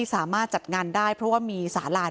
คุณยายบอกว่ารู้สึกเหมือนใครมายืนอยู่ข้างหลัง